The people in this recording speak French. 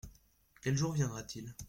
Quel jour viendra-t-il ?